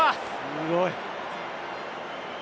すごい。